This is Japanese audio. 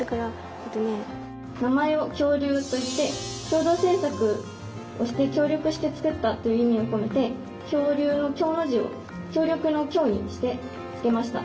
名前を「協竜」といって共同制作をして協力して作ったという意味を込めて恐竜の「恐」の字を協力の「協」にして付けました。